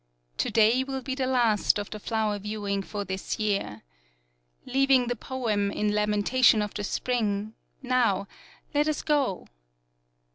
To day will be the last of the flower viewing for this year. Leaving the poem in lam entation of the spring, now, let us go!